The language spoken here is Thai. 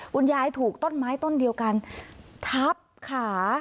คุณยายถูกต้นไม้ต้นเดียวกันทับขา